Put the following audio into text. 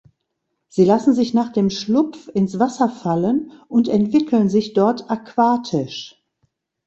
Sie lassen sich nach dem Schlupf ins Wasser fallen und entwickeln sich dort aquatisch.